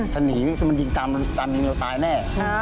ถ้าหนีมันยิงซ้ำตายแน่